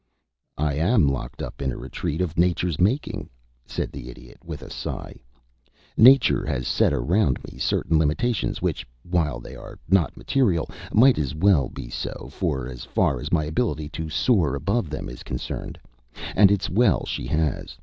"I am locked up in a retreat of Nature's making," said the Idiot, with a sigh. "Nature has set around me certain limitations which, while they are not material, might as well be so as far as my ability to soar above them is concerned and it's well she has.